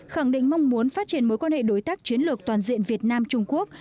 khẳng định mong muốn phát triển mối quan hệ đối tác chiến lược toàn diện việt nam trung quốc